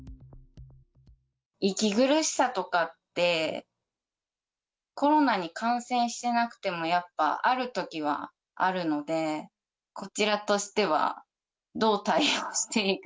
息苦しさとかって、コロナに感染してなくても、やっぱあるときはあるので、こちらとしては、どう対応していいか。